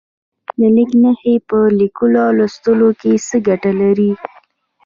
لیک نښې په لیکلو او لوستلو کې څه ګټه لري؟